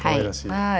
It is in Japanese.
はい。